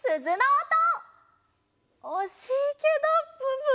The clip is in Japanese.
おしいけどブブ！